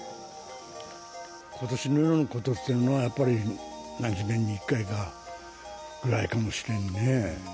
ことしのようなことっていうのは、やっぱり何十年に１回かぐらいかもしれんね。